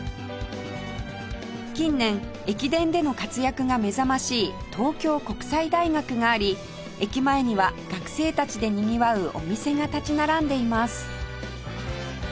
近年駅伝での活躍が目覚ましい東京国際大学があり駅前には学生たちでにぎわうお店が立ち並んでいます